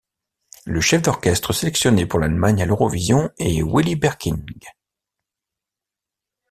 Le chef d'orchestre sélectionné pour l'Allemagne à l'Eurovision est Willy Berking.